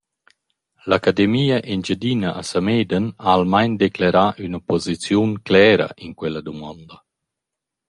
L’Academia Engiadina a Samedan ha almain declerà üna pusiziun clera in quella dumonda.